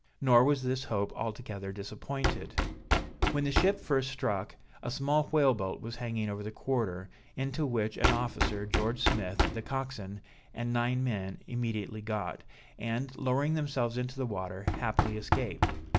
Nor was this hope altogether disappointed. When the ship first struck, a small whale boat was hanging over the quarter, into which, an officer, George Smith the coxswain, and nine men, immediately got, and, lowering themselves into the water, happily escaped.